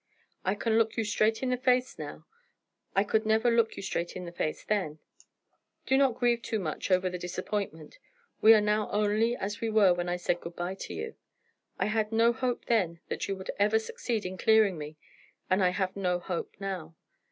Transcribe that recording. I can look you straight in the face now; I could never look you straight in the face then. Do not grieve too much over the disappointment. We are now only as we were when I said good bye to you. I had no hope then that you would ever succeed in clearing me, and I have no hope now.